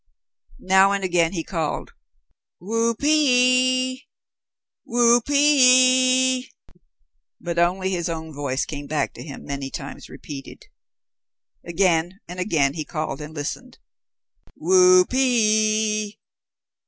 Now and again he called, "Whoopee! Whoopee!" but only his own voice came back to him many times repeated. Again and again he called and listened, "Whoopee!